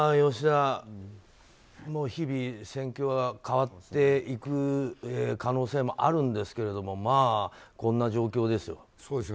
吉田、日々戦況が変わっていく可能性もあるんですけどもこんな状況ですよ。